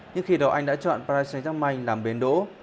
nhưng khi đó anh đã chọn paris saint germain làm bến đỗ